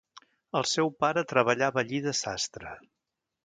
El seu pare treballava allí de sastre.